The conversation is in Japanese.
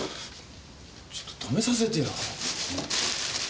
ちょっと止めさせてよ。